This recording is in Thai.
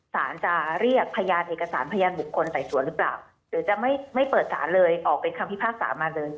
สารจะเรียกพยานเอกสารพยานบุคคลไต่สวนหรือเปล่าหรือจะไม่เปิดสารเลยออกเป็นคำพิพากษามาเลย